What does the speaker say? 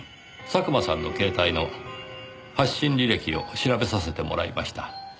佐久間さんの携帯の発信履歴を調べさせてもらいました。